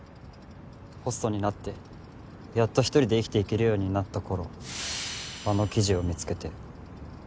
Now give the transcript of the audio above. ホストになってやっと１人で生きていけるようになったころあの記事を見つけて。